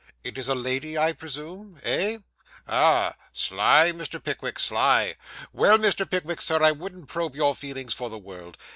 It is a lady, I presume? Eh? ah! Sly, Mr. Pickwick, sly. Well, Mr. Pickwick, sir, I wouldn't probe your feelings for the world.